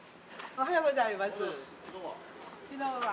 おはようございます昨日は。